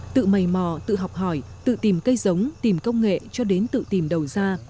tự mầy mò tự học hỏi tự tìm cây giống tìm công nghệ cho đến tự tìm đầu ra